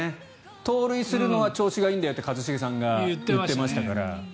盗塁するのは調子がいいんだよって一茂さんが言ってましたから。